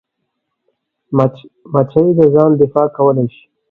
مچمچۍ د ځان دفاع کولی شي